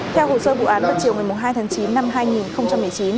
theo hồ sơ vụ án vào chiều một mươi hai tháng chín năm hai nghìn một mươi chín